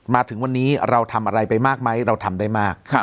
มาถึงวันนี้เราทำอะไรไปมากไหมเราทำได้มาก